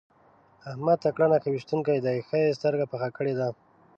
احمد تکړه نښه ويشتونکی دی؛ ښه يې سترګه پخه کړې ده.